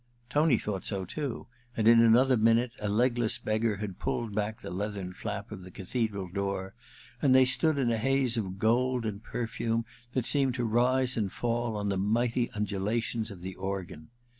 Tony thought so too, and in another minute a l^less beggar had pulled back the leathern Y 322 A VENETIAN NIGHTS i flap of the cathedral door, and they stood in a haze of gold and perfume that seemed to rise and fall on the mighty undulations of the organ.